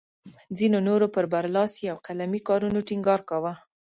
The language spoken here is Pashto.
ځینو نورو پر برلاسي او قلمي کارونو ټینګار کاوه.